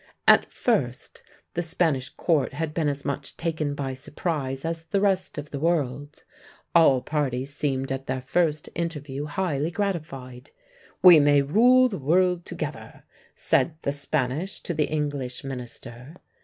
At first, the Spanish court had been as much taken by surprise as the rest of the world. All parties seemed at their first interview highly gratified. "We may rule the world together," said the Spanish to the English minister.